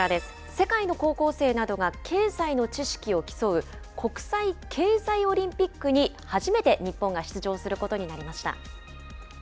世界の高校生などが経済の知識を競う、国際経済オリンピックに、初めて日本が出場することになりました。